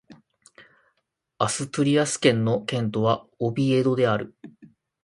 アストゥリアス県の県都はオビエドである